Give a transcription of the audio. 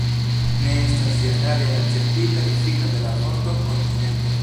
Ne estas ĝenerale akceptita difino de la vorto "kontinento.